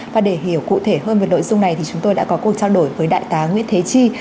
và để hiểu cụ thể hơn về nội dung này thì chúng tôi đã có cuộc trao đổi với đại tá nguyễn thế chi